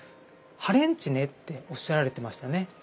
ハレンチねっておっしゃられてましたね